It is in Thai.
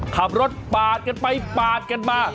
ขับรถปาดกันไปปาดกันมา